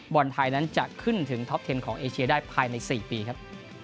บอลไทยนั้นจะขึ้นถึงท็อปเทนของเอเชียได้ภายใน๔ปีครับ